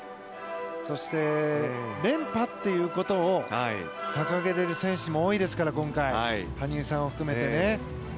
そして連覇っていうことを掲げている選手も多いですから今回、羽生さん含めてね。